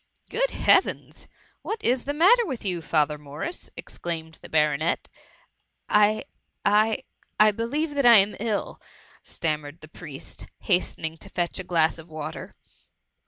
Good Heavens ! what i& the matter with you, Father Morris?'^ exclaimed the Baronet. " I — I — I believe that I am iU,'' stammered the priest, hastening to fetch a glass of water.